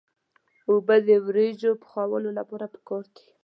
اوبه د وریجو پخولو لپاره پکار دي.